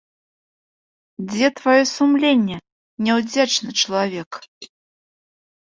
Дзе тваё сумленне, няўдзячны чалавек?